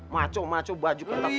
maco maco baju kentangnya begitu